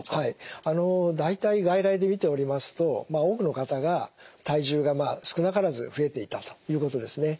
大体外来で診ておりますと多くの方が体重が少なからず増えていたということですね。